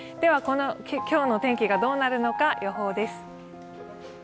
この今日の天気がどうなるのか、予報です。